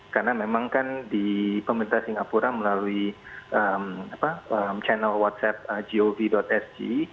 karena memang kan di pemerintah singapura melalui channel whatsapp gov sg